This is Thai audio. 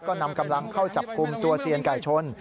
ก็นำกำลังเข้าจับกลุ่มตัวเซียนไก่ชน